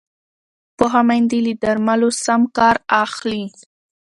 پوهه میندې له درملو سم کار اخلي۔